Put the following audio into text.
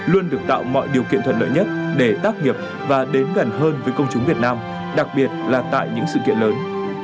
luôn được tạo mọi điều kiện thuận lợi nhất để tác nghiệp và đến gần hơn với công chúng việt nam đặc biệt là tại những sự kiện lớn